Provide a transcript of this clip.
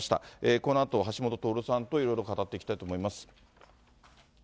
このあと橋下徹さんといろいろ語っていきたいと思います。